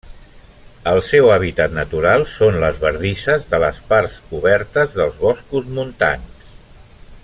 El seu hàbitat natural són les bardisses de les parts obertes dels boscos montans.